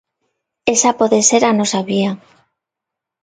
Esa pode ser a nosa vía.